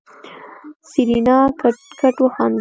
سېرېنا کټ کټ وخندل.